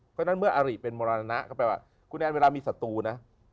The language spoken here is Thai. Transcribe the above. เพราะฉะนั้นเมื่ออาริเป็นมรณะก็แปลว่าคุณแอนเวลามีศัตรูนะ